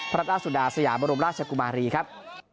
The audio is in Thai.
ราชสุดาสยามบรมราชกุมารีครับ